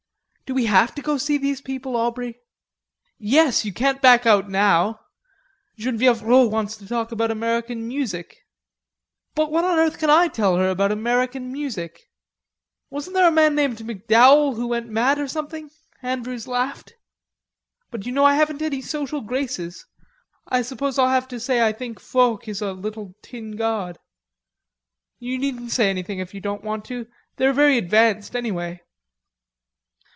"Do we have to go to see these people, Aubrey?" "Yes, you can't back out now. Genevieve Rod wants to know about American music." "But what on earth can I tell her about American music?" "Wasn't there a man named MacDowell who went mad or something?" Andrews laughed. "But you know I haven't any social graces.... I suppose I'll have to say I think Foch is a little tin god." "You needn't say anything if you don't want to.... They're very advanced, anyway."